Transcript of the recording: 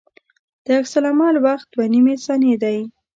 د عکس العمل وخت دوه نیمې ثانیې دی